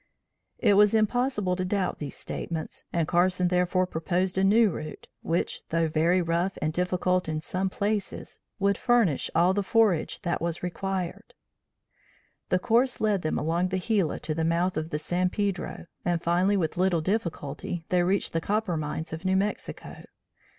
It was impossible to doubt these statements and Carson therefore proposed a new route, which though very rough and difficult in some places, would furnish all the forage that was required. The course led them along the Gila to the mouth of the San Pedro, and finally with little difficulty they reached the copper mines of New Mexico.